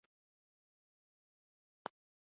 د حضرت عایشه په څېر ښځې د علم په ډګر کې مخکښې وې.